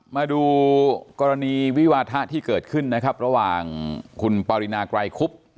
มาดูกรณีวิวาทะที่เกิดขึ้นนะครับระหว่างคุณปรินาไกรคุบ